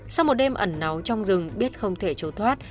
sau một đêm ẩn náu trong rừng biết không thể trốn thoát